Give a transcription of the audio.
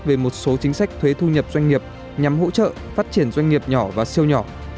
về một số chính sách thuế thu nhập doanh nghiệp nhằm hỗ trợ phát triển doanh nghiệp nhỏ và siêu nhỏ